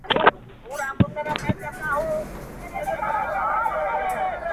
چي ور ياده د پيشو به يې ځغستا سوه٫